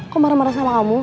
kok marah marah sama kamu